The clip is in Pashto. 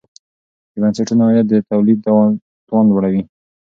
د بنسټونو عاید د تولید توان لوړوي.